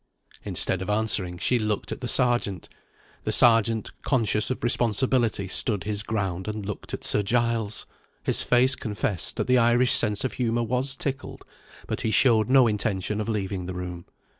Instead of answering, she looked at the Sergeant. The Sergeant, conscious of responsibility, stood his ground and looked at Sir Giles. His face confessed that the Irish sense of humour was tickled: but he showed no intention of leaving the room.